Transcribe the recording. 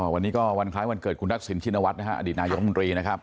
วันนี้ก็วันคล้ายวันเกิดคุณทักษิณชินวัฒน์อดีตนายกมนตรีนะครับ